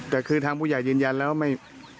แต่คือทางผู้ใหญ่ยืนยันแล้วไม่